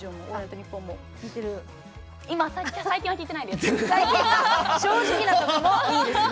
でも、最近は聞いてないです。